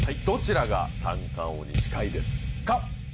どちらが三冠王に近いですか？